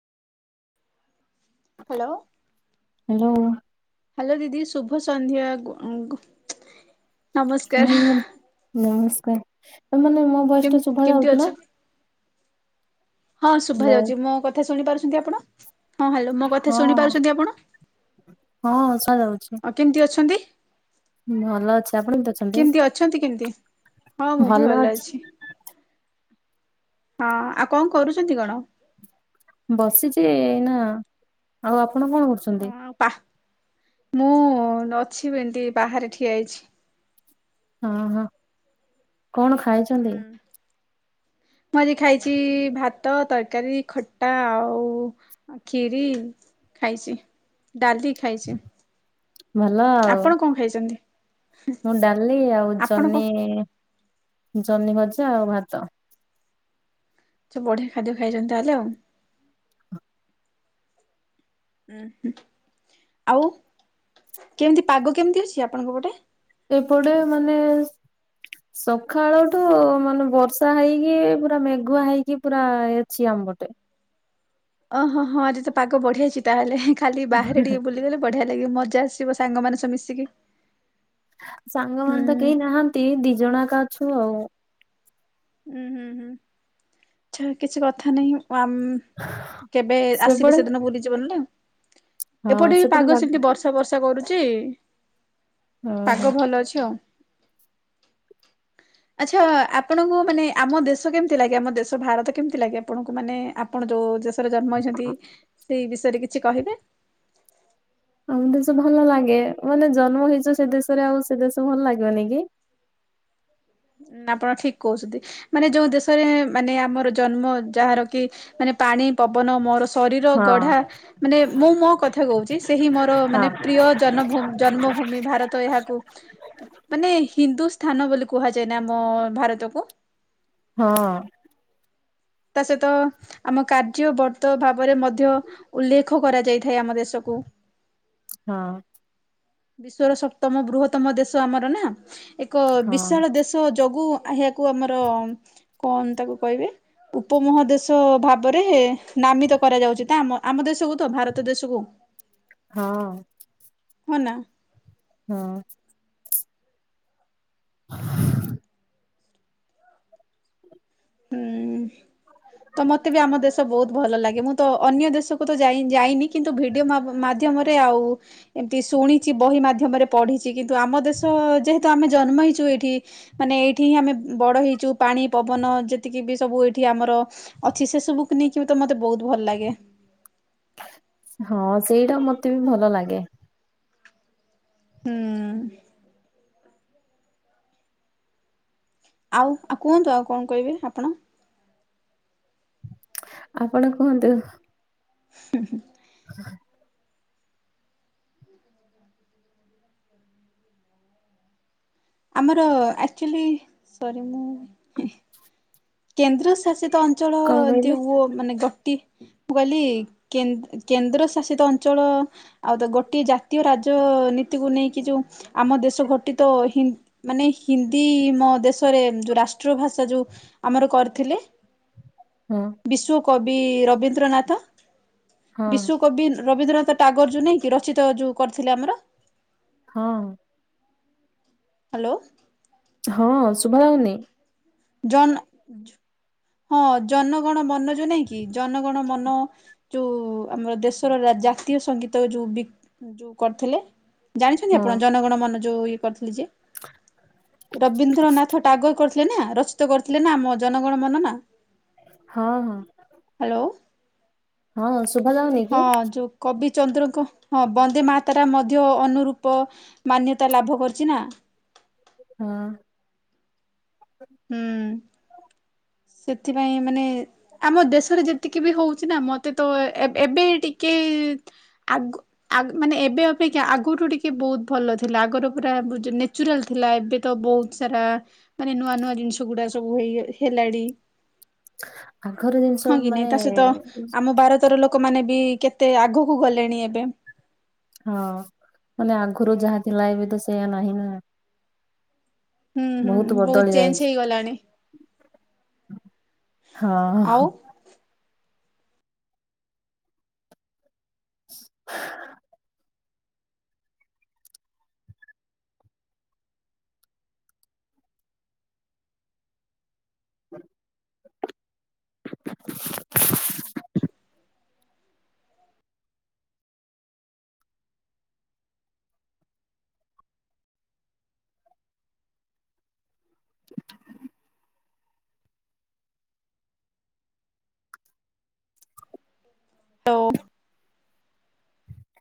Hello, hello hello ଦିଦି ଶୁଭ ସନ୍ଧ୍ୟା ଗୁ ନମସ୍କାର ହୁଁ ନମସ୍କାର ମାନେ ମୋ ଭଏସ୍ କେମ୍ ଟା ଶୁଭା କେମିତି ଯାଉଛି ନା? ଅଛନ୍ତି? ହଁ ଶୁଭା ହ୍ୟାଲୋ। ଯାଉଛି ମୋ କଥା ଶୁଣି ପାରୁଛନ୍ତି ଆପଣ? ହଁ ହ୍ୟାଲୋ ମୋ କଥା ହଁ ଶୁଣି ପାରୁଛନ୍ତି ଆପଣ? ହଁ ଶୁଣା ଯାଉଛି। ଆ କେମିତି ଅଛନ୍ତି? ଅଛି ଆପଣ ଅଛନ୍ତି? କେମିତି ଅଛନ୍ତି କେମତି? ହଁ ମୁଁ ବି ଭଲ ଅଛି। ହଁ, ଆଉ କଣ କରୁଛନ୍ତି କଣ? ବସିଛି ଏଇନା, ଆଉ ଆପଣ କଣ କରୁଛନ୍ତି? ବାଃ ମୁଁ ଅଛି ଏମତି ବାହାରେ ଠିଆ ହେଇଛି। ହଁ ହଁ କଣ ଖାଇଛି ହୁଁ। ମୁଁ ଆଜି ଖାଇଛି ଭାତ, ତରକାରୀ, ଖଟା ଆଉ ଖିରି ଖାଇଛି ଡାଲି ଖାଇଛି। ଭଲ ଆଉ ଆପଣ କଣ ଖାଇଛନ୍ତି? ମୁଁ ଡାଲି ଆଉ ଆପଣ କଣ ଜହ୍ନି, ଜହ୍ନି ଭଜା ଆଉ ଭାତ। ଆଛା ବଢିଆ ଖାଦ୍ୟ ଖାଇଛନ୍ତି ତାହେଲେ ଆଉ। ହୁଁ ହୁଁ, ଆଉ କେମିତି ପାଗ କେମିତି ଅଛି ଆପଣଙ୍କ ପଟେ? ଏ ପଟେ ମାନେ ସକାଳଠୁ ମାନେ ବର୍ଷା ହେଇକି, ପୁରା ମେଘୁଆ ହେଇକି, ପୁରା ଅଛି ଆମ ପଟେ। ଓହୋ ହଁ ହଁ ଆଜି ତ ପାଗ ବଢିଆ ହେଇଛି ତାହେଲେ, ଖାଲି ବାହାରେ ଟିକେ ବୁଲିଗଲେ ବଢିଆ ଲାଗିବ, ମଜା ଆସିବ, ସାଙ୍ଗମାନେ ସବୁ ମିଶିକି। ସାଙ୍ଗ ହୁଁ ମାନେ ତ କେହି ନାହାଁନ୍ତି, ଦି ଜଣ ଏକା ଅଛୁ ଆଉ। ଉଁ, ହୁଁ, ହୁଁ ଆଛା କିଛି କଥା ନାହିଁ ଆ କେବେ ଆସିବେ ସେପଟେ ସେଦିନ ଭୁଲିଯିବନି ନାଁ, ହଁ ଏପଟେ ବି ସେପଟେ ପାଗ ବାଘ ସେମିତି ବର୍ଷା ବର୍ଷା ବର୍ଷା କରୁଛି, ଓହୋ ପାଗ ଭଲ ଅଛି ଆଉ। ଆଚ୍ଛା ଆପଣଙ୍କୁ ମାନେ ଆମ ଦେଶ କେମିତି ଲାଗେ? ଆମ ଦେଶ ଭାରତ କେମିତି ଲାଗେ ଆପଣଙ୍କୁ? ମାନେ ଆପଣ ଯୋଉ ଦେଶରେ ଜନ୍ମ ହେଇଛନ୍ତି, ସେଇ ବିଷୟରେ କିଛି କହିବେ? ଆମ ଦେଶ ଭଲ ଲାଗେ, ମାନେ ଜନ୍ମ ହେଇଛ ସେ ଦେଶରେ ଆଉ ସେ ଦେଶ ଭଲ ଲାଗିବନି କି। ଆପଣ ଠିକ୍ କହୁଛନ୍ତି। ମାନେ ଯୋଉ ଦେଶରେ ମାନେ ଆମର ଜନ୍ମ ଯାହାର କି ମାନେ ପାଣି ପବନ ମୋର ଶରୀର ହଁ ଗଢା ମାନେ ମୁଁ ମୋ କଥା କହୁଛି, ସେ ହିଁ ମୋର ମାନେ ହଁ। ପ୍ରିୟ ଜନଭୂ ଜନ୍ମଭୂମି ଭାରତ ତ ଏହାକୁ ମାନେ ହିନ୍ଦୁ ସ୍ଥାନ ବୋଲି କୁହାଯାଏ ନା ଆମ ଭାରତକୁ? ହଁ। ତା ସହିତ ଆମ କାର୍ଯ୍ୟବର୍ତ ଭାବରେ ମଧ୍ୟ ଉଲ୍ଲେଖ କରାଯାଇଥାଏ ଆମ ଦେଶକୁ। ହଁ। ବିଶ୍ଵର ସପ୍ତମ ବୃହତମ ଦେଶ ଆମର ନା, ଏକ ହଁ ବିଶାଳ ଦେଶ ତ ଯୋଗୁ ଏହାକୁ ଆମର କଣ ତାକୁ କହିବେ ଉପମହାଦେଶ ଭାବରେ ନାମିତ କରାଯାଉଛି, ତ ଆମ ଆମ ଦେଶକୁ ତ, ଭାରତ ଦେଶକୁ। ହଁ। ହଁ, ନା। ହଁ। [inaudible] ହୁଁ। ତ ମତେ ବି ଆମ ଦେଶ ବହୁତ ଭଲ ଲାଗେ, ମୁଁ ତ ଅନ୍ୟ ଦେଶକୁ ତ ଯାଇ ଯାଇନି କିନ୍ତୁ ଭିଡିଓ ମା ମାଧ୍ୟମରେ ଆଉ ଏମିତି ଶୁଣିଛି ବହି ମାଧ୍ୟମରେ ପଢିଛି, କିନ୍ତୁ ଆମ ଦେଶ ଯେହେତୁ ଆମେ ଜନ୍ମ ହେଇଛୁ ଏଇଠି ମାନେ ଏଇଠି ହିଁ ଆମେ ବଡ ହେଇଛୁ ପାଣି, ପବନ ଯେ ଯେତିକି ବି ସବୁ ଏଇଠି ଆମର ଅଛି, ସେ ସବୁକୁ ନେଇକି ବି ତ ମତେ ବହୁତ୍ ଭଲ ଲାଗେ। ହଁ, ସେଇଟା ମତେ ବି ଭଲ ଲାଗେ। ହୁଁ। ଆଉ, ଆଉ କୁହନ୍ତୁ ଆଉ କଣ କହିବେ ଆପଣ? ଆପଣ କୁହନ୍ତୁ। ହୁଁ ହୁଁ। ହ [inaudible] ଆମର ଆକ୍ଚୁଲି, ସରି ମୁଁ କେନ୍ଦ୍ର ଶାସିତ ଅଞ୍ଚଳ କଣ ଏମିତି କହିଲେ? ଓ ମାନେ କଟି? ମୁଁ କହିଲି କେ କେନ୍ଦ୍ର ଶାସିତ ଅଞ୍ଚଳ ଆଉ ତ ଗୋଟିଏ ଜାତୀୟ ରାଜନୀତିକୁ ନେଇକି, ଯୋଉ ଆମ ଦେଶ ଗଠିତ ହିଁ ମାନେ ହିନ୍ଦୀ ମୋ ଦେଶରେ ଯୋଉ ରାଷ୍ଟ୍ରୀୟ ଭାଷା ଯୋଉ ଆମର କରିଥିଲେ ହଁ। ବିଶ୍ୱ କବି ରବୀନ୍ଦ୍ରନାଥ ହଁ ବିଶ୍ଵ କବି ରବୀନ୍ଦ୍ରନାଥ ଟାଗୋର ଯୋଉ ନାଇଁକି ରଚିତ ଯୋଉ କରିଥିଲେ ଆମର ହଁ। ହ୍ୟାଲୋ। ହଁ ଶୁଭା ଯାଉନି? ଜନ ହଁ ଜନ ଗଣ ମନ ଯୋଉ ନାଇଁ କି ଜନ ଗଣ ମନ ଯୋଉ ଆମର ଦେଶର ଜାତୀୟ ସଙ୍ଗୀତ ଯୋଉ ବି ଯୋଉ କରିଥିଲେ। ଜାଣିଛନ୍ତି ହଁ ଆପଣ ଜନ ଗଣ ମନ ଯୋଉ ଇଏ କରିଥିଲେ ଯେ ରବୀନ୍ଦ୍ରନାଥ ଟାଗୋ କରି ଥିଲେ ନା ରଚିତ କରିଥିଲେ ନା ଆମ ଜନ ଗଣ ମନ ନାଁ? ହଁ ହଁ। ହ୍ୟାଲୋ ହଁ ଶୁଭା ଯାଉନି କି ହଁ ଯୋଉ କବି ଚନ୍ଦ୍ରଙ୍କ ହଁ ବନ୍ଦେ ମାତାରାମ ମଧ୍ୟ ଅନୁରୂପ ମାନ୍ୟତା ଲାଭ କରିଚି ନାଁ। ହୁଁ। ହୁଁ ସେଥିପାଇଁ ମାନେ ଆମ ଦେଶରେ ଯେତିକି ବି ହଉଚି ନା ମତେ ତ ଏବେ ଏ ଟିକେ ଆଗ ମାନେ ଏବେ ଅପେକ୍ଷା ଆଗରୁ ଟିକେ ବହୁତ ଭଲ ଥିଲା ଆଗରୁ ପୁରା ନ୍ୟେଚୁରାଲ ଥିଲା ଏବେ ତ ବହୁତ୍ ସାରା ମାନେ ନୂଆ ନୂଆ ଜିନିଷ ଗୁଡ଼ା ସବୁ ହେଇ ହେଲାଣି। ଆଘର ଜିନିଷ ହଁ କି ନାଇଁ ମାନେ ତା ସହିତ ଆମ ଭାରତ ଭାତର ଲୋକମାନେ ବି କେତେ ଆଗକୁ ଗଲେଣି ଏବେ। ହଁ ମାନେ ଆଗରୁ ଯାହା ଥିଲା ଏବେ ତ ସେଇୟା ନାହିଁ ନାଁ। ହୁଁ ହୁଁ ବହୁତ ବଦଳି ଚେଞ୍ଜ ଯାଇଛି। ହେଇଗଲାଣି ଆଉ ହଁ। ଓ-ଓ।